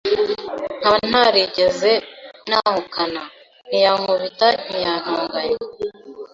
nkaba ntarigeze nahukana, ntiyankubita, ntiyantonganya .